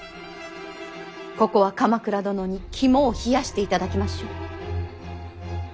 ここは鎌倉殿に肝を冷やしていただきましょう。